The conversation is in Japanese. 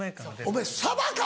お前サバか！